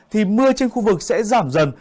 thì mưa trên khu vực sẽ giảm dần